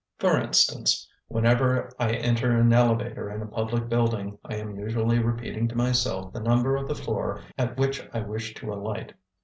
For instance, whenever I enter an elevator in a public building I am usually repeating to myself the number of the floor at which I wish to alight.